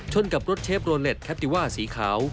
กับรถเชฟโรเล็ตแคติว่าสีขาว